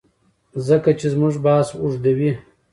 ځکه چي زموږ بحث اوږديوي